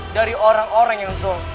dari orang orang yang zo